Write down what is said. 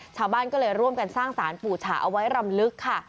ชาวบ้านก็เลยร่วมกันสร้างสารปู่ฉาเอาไว้รำลึกค่ะ